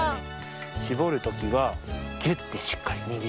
しぼるときはぎゅってしっかりにぎります。